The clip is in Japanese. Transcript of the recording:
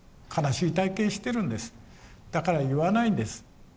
だから言わないんです。